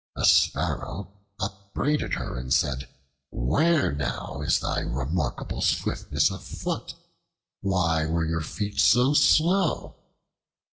A Sparrow upbraided her and said, "Where now is thy remarkable swiftness of foot? Why were your feet so slow?"